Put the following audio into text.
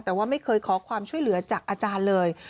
แต่ว่าไม่เคยขอความช่วยเหลือจากอาจารย์เลย